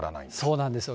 そうなんですよ。